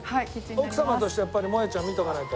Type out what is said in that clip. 奥様としてやっぱりもえちゃん見ておかないと。